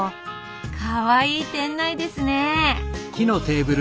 かわいい店内ですね。